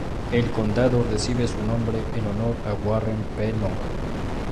El condado recibe su nombre en honor a Warren P. Noble.